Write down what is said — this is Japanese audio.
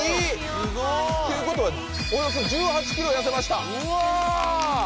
すごい！ということはおよそ１８ｋｇ痩せました。